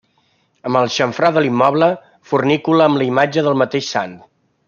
En el xamfrà de l'immoble, fornícula amb la imatge del mateix sant.